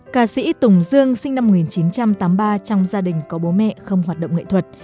ca sĩ tùng dương sinh năm một nghìn chín trăm tám mươi ba trong gia đình có bố mẹ không hoạt động nghệ thuật